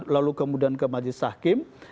lalu kemudian ke majlis sakim